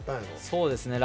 そうですね